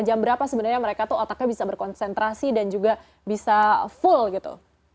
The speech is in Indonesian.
jam berapa sebenarnya mereka tuh otaknya bisa berkonsentrasi dan juga bisa full gitu